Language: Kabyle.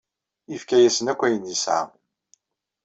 Yefka-yasen akk ayen yesɛa.